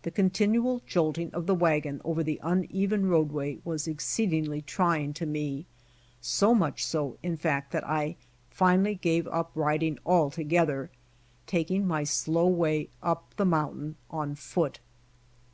The continual jolt ing of the wagon over the uneven roadway was 122 BY ox TEAM TO CALIFORNIA exceedingly trying to me, so much so in fact that I finally gave up ridings altogether, taking my slow way up the mountain on foot.